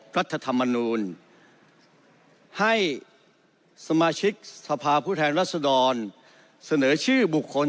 รัฐธรรมนูลให้สมาชิกสภาพผู้แทนรัศดรเสนอชื่อบุคคล